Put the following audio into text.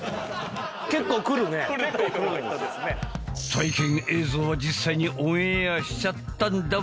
体験映像は実際にオンエアしちゃったんだわさ。